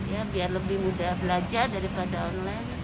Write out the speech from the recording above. ya biar lebih mudah belajar daripada online